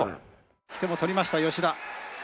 引き手も取りました吉田。